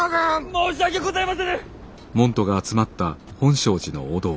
申し訳ございませぬ！